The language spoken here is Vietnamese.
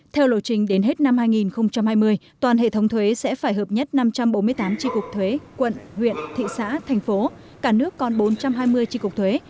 theo lộ trình đến hết năm hai nghìn hai mươi toàn hệ thống thuế sẽ phải hợp nhất năm trăm bốn mươi tám tri cục thuế quận huyện thị xã thành phố cả nước còn bốn trăm hai mươi tri cục thuế